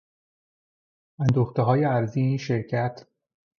اندوختههای ارزی این شرکت